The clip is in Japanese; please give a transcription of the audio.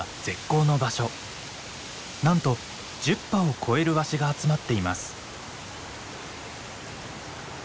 なんと１０羽を超えるワシが集まっています。